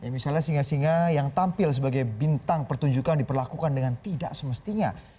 misalnya singa singa yang tampil sebagai bintang pertunjukan diperlakukan dengan tidak semestinya